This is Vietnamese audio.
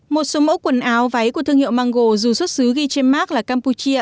một số mẫu quần áo váy của thương hiệu mgo dù xuất xứ ghi trên mark là campuchia